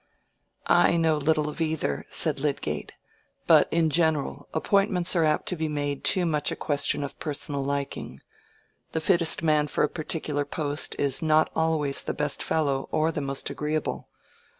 "I know little of either," said Lydgate; "but in general, appointments are apt to be made too much a question of personal liking. The fittest man for a particular post is not always the best fellow or the most agreeable.